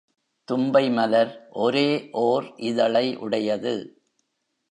தும்பை மலர் ஒரே ஒர் இதழை உடையது.